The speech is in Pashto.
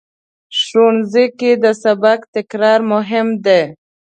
ښوونځی کې د سبق تکرار مهم دی